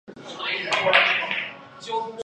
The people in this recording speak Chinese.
现任国会主席。